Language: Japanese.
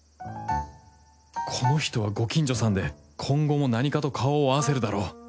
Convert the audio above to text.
この人はご近所さんで今後もなにかと顔を合わせるだろう。